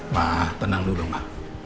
ma tenang dulu dong ma